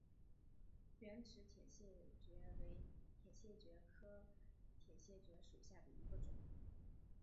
圆齿铁线蕨为铁线蕨科铁线蕨属下的一个种。